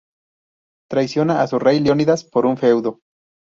Traiciona a su rey Leónidas por un feudo.